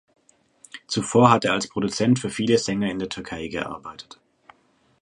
Zuvor hat er als Produzent für viele Sänger in der Türkei gearbeitet.